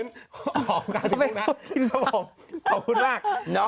อ๋อคนขายนั่งพื้นนะครับผมขอบคุณมาก